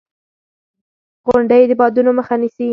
• غونډۍ د بادونو مخه نیسي.